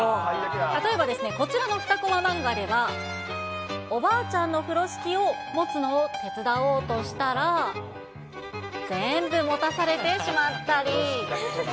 例えばですね、こちらの２コマ漫画では、おばあちゃんの風呂敷を持つのを手伝おうとしたら、全部持たされてしまったり。